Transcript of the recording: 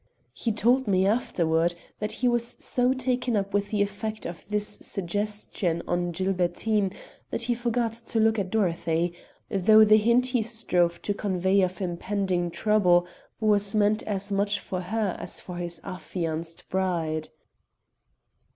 He told me afterward that he was so taken up with the effect of this suggestion on Gilbertine that he forgot to look at Dorothy, though the hint he strove to convey of impending trouble was meant as much for her as for his affianced bride.